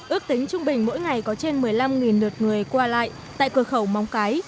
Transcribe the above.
ước tính trung bình mỗi ngày có trên một mươi năm lượt người qua lại tại cửa khẩu móng cái